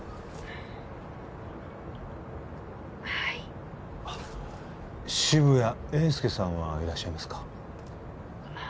はい渋谷英輔さんはいらっしゃいますか？